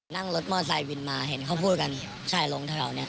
นั่งรถมอเตอร์วินมาเห็นเขาพูดกัน